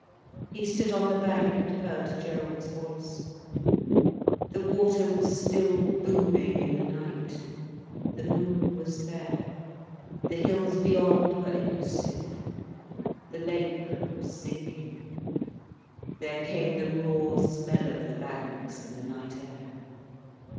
He stood on the bank and heard Gerald's voice. The water was still booming in the night, the moon was fair, the hills beyond were elusive. The lake was sinking. There came the raw smell of the banks, in the night air.